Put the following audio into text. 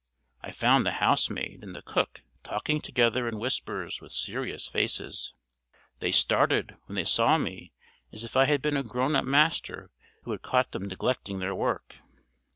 I found the housemaid and the cook talking together in whispers with serious faces. They started when they saw me as if I had been a grown up master who had caught them neglecting their work.